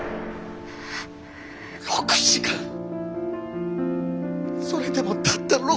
６時間それでもたった６時間だけ！